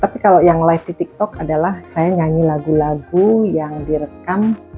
tapi kalau yang live di tiktok adalah saya nyanyi lagu lagu yang direkam